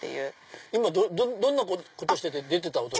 今どんなことをしてて出てた音ですか？